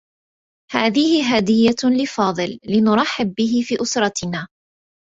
هذه هديّة لفاضل لنرحّب به في أسرتنا.